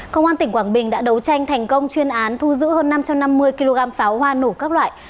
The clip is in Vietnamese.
công an tỉnh quảng bình đã đấu tranh thành công chuyên án thu giữ hơn năm trăm năm mươi kg pháo hoa nổ các loại